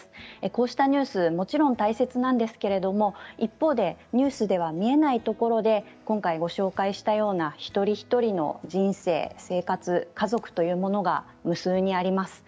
こうしたニュースはもちろん大切なんですけれども一方で、ニュースでは見えないところで今回ご紹介したような一人一人の人生、生活、家族というものが無数にあります。